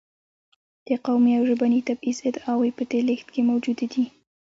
د قومي او ژبني تبعیض ادعاوې په دې لېږد کې موجودې دي.